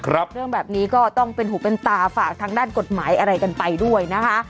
เรื่องแบบนี้ก็ต้องเป็นหูเป็นตาฝากทางด้านกฎหมายอะไรกันไปด้วยนะคะ